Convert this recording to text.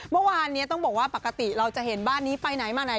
เมื่อวานนี้ต้องบอกว่าปกติเราจะเห็นบ้านนี้ไปไหนมาไหน